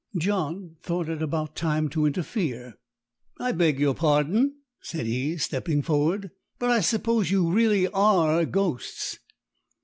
John thought it about time to interfere. "I beg your pardon," said he, stepping forward; "but I suppose you really are ghosts?"